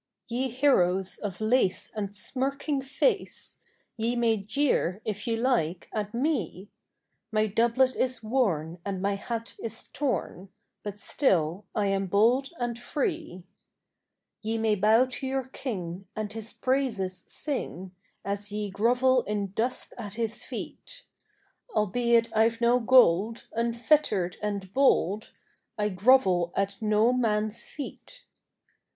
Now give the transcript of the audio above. Ye heroes of lace and smirking face. Ye may jeer, if ye like, at me; My doublet is worn and my hat is torn, But still I am bold and free. Ye may bow to your King, and his praises sing. As ye grovel in dust at his feet; Albeit I've no gold, unfettered and bold, I grovel at no man's feet.